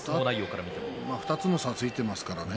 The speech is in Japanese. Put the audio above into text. ２つの差がついていますからね。